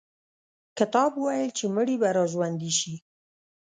کتاب وویل چې مړي به را ژوندي شي.